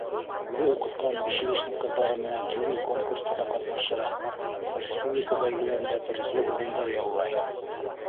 Үҙе уҡытҡан училищеның ҡыҙҙары менән төрлө конкурстарҙа ҡатнаша, республика бәйгеләрендә призлы урындар яулай.